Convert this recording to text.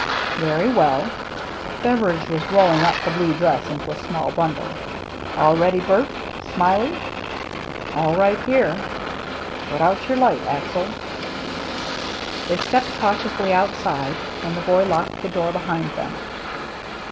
" Very well." Beveridge was rolling up the blue dress into a small bundle. "All ready, Bert— Smiley?" "All right here." " Put out your light. Axel." They stepped cautiously outside, and the boy locked the door behind them.